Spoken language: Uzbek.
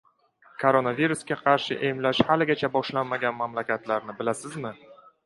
Koronavirusga qarshi emlash haligacha boshlanmagan mamlakatlarni bilasizmi?